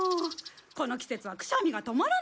この季節はくしゃみが止まらなくて。